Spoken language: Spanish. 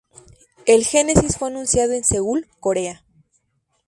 El Genesis fue anunciado en Seúl, Corea.